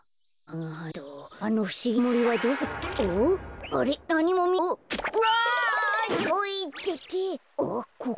あのふしぎなもりはどこだろう？